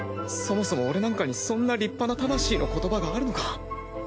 そもそも俺なんかにそんな立派な魂の言葉があるのか？